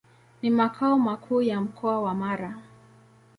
Ni makao makuu ya Mkoa wa Mara.